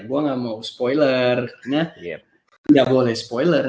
gua nggak mau spoiler nggak boleh spoiler